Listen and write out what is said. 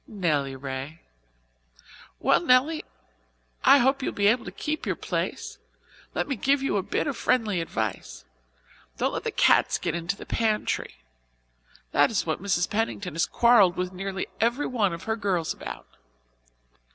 "Nelly Ray." "Well, Nelly, I hope you'll be able to keep your place. Let me give you a bit of friendly advice. Don't let the cats get into the pantry. That is what Mrs. Pennington has quarrelled with nearly every one of her girls about."